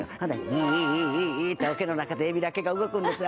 「ギギギギギ」って桶の中でエビだけが動くんですよ。